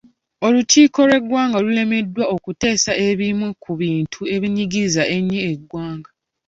Olukiiko lw'eggwanga lulemeddwa okuteesa ebimu ku bintu ebinyigiriza ennyo eggwanga.